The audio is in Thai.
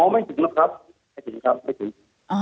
อ๋อไม่ถึงแล้วครับไม่ถึงครับไม่ถึง